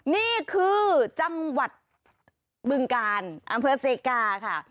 นี่คือจังหวัดบึงกาลอำเภอเซกาค่ะ